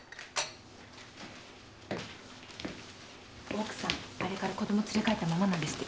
奥さんあれから子供連れ帰ったままなんですって。